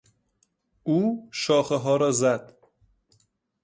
او شاخهها را زد.